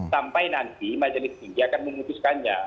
sampai nanti majelis tinggi akan memutuskannya